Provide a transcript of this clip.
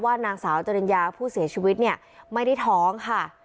ว่านางสาวจรญญาผู้เสียชีวิตไม่ได้ท้องค่ะ